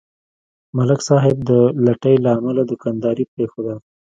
ملک صاحب د لټۍ له امله دوکانداري پرېښوده.